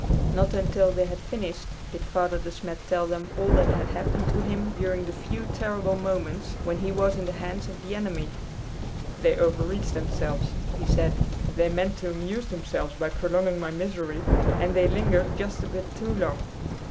Not until they had finished did Father De Smet tell them all that had happened to him during the few terrible moments when he was in the hands of the enemy. "They overreached themselves," he said. "They meant to amuse themselves by prolonging my misery, and they lingered just a bit too long."